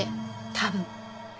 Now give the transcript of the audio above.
多分。